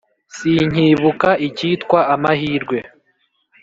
sinkibuka icyitwa amahirwe!